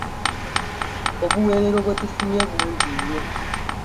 Obuweerero bwe tufunye bungi nnyo.